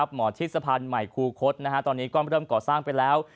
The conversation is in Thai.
หมอชิดสะพานใหม่คูคศตอนนี้ก็เริ่มก่อสร้างไปแล้ว